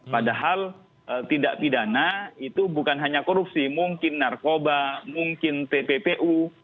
padahal tindak pidana itu bukan hanya korupsi mungkin narkoba mungkin tppu